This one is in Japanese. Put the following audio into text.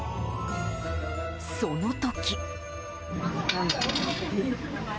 その時。